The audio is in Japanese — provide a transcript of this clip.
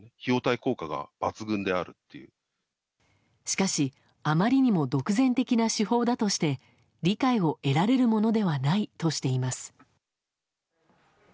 しかし、あまりにも独善的な手法だとして理解を得られるものではないとしています。